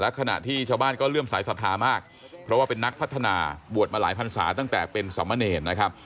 ขณะที่ชาวบ้านก็เริ่มสายศรัทธามากเพราะว่าเป็นนักพัฒนาบวชมาหลายพันศาตั้งแต่เป็นสามเณรนะครับ